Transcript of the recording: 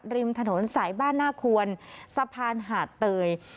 ริมถนนสายบ้านหน้าควรสะพานหาดเตย